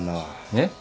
えっ？